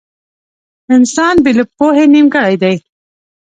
• انسان بې له پوهې نيمګړی دی.